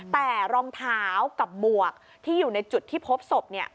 แต่รองเท้ากับหมวกที่อยู่ในจุดที่พบศพ